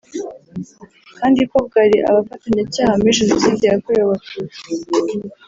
kandi ko bwari abafatanyacyaha muri Jenoside yakorewe Abatutsi